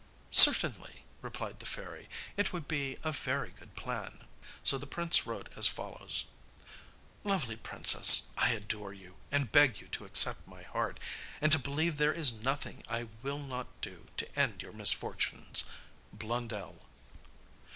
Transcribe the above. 'Certainly,' replied the fairy, 'it would be a very good plan.' So the prince wrote as follows: 'Lovely Princess, I adore you, and beg you to accept my heart, and to believe there is nothing I will not do to end your misfortunes. BLONDEL.